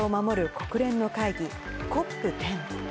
国連の会議、ＣＯＰ１０。